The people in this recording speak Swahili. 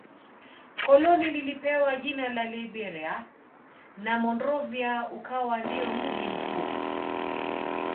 Koloni lilipewa jina la Liberia na Monrovia ukawa ndio mji mkuu